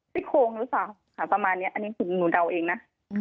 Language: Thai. ซี่โครงหรือเปล่าค่ะประมาณนี้อันนี้หนูเดาเองนะ